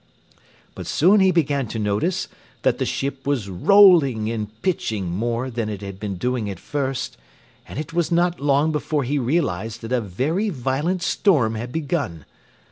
But soon he began to notice that the ship was rolling and pitching more than it had been doing at first, and it was not long before he realized that a very violent storm had begun.